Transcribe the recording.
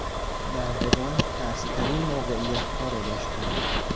بردگان پستترین موقعیتها را داشتند.